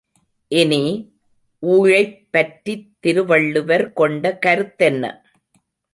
இனி, ஊழைப் பற்றித் திருவள்ளுவர் கொண்ட கருத்தென்ன?